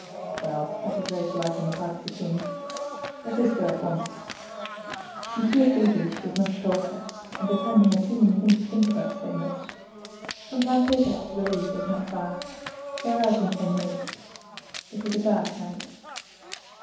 "Well, that is very polite on the part of the king. Let us go, at once." Monsieur Friedisch was not a talker, and D'Artagnan had too many things to think about to say much. From Planchet's shop to the Louvre was not far,—they arrived in ten minutes. It was a dark night.